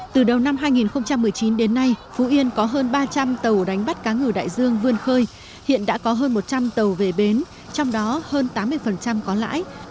từ đầu năm hai nghìn một mươi chín đến nay phú yên có hơn ba trăm linh tàu đánh bắt cá ngừ đại dương vươn khơi hiện đã có hơn một trăm linh tàu về bến trong đó hơn tám mươi có lãi